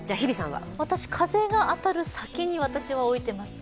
風が当たる先に私は置いてます。